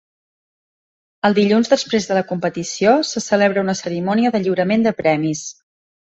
El dilluns després de la competició, se celebra una cerimònia de lliurament de premis.